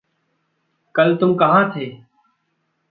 कल तुम कहाँ थे?